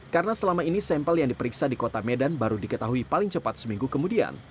karena selama ini sampel yang diperiksa di kota medan baru diketahui paling cepat seminggu kemudian